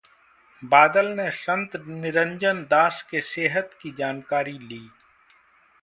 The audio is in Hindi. बादल ने संत निरंजन दास के सेहत की जानकारी ली